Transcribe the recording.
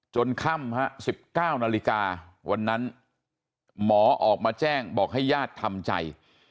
ค่ำ๑๙นาฬิกาวันนั้นหมอออกมาแจ้งบอกให้ญาติทำใจ